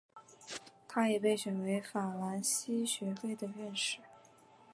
他也被选为法兰西学会的院士。